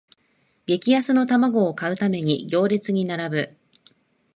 激安の玉子を買うために行列に並ぶ